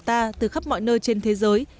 từ khắp mọi nơi trên thế giới